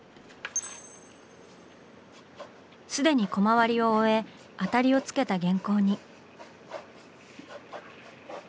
既にコマ割りを終えあたりをつけた原稿に。